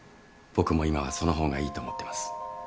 僕も今はその方がいいと思ってます。